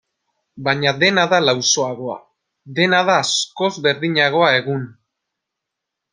Baina dena da lausoagoa, dena da askoz berdinagoa egun.